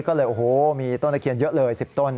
ก็เลยโอ้โหมีต้นตะเคียนเยอะเลย๑๐ต้น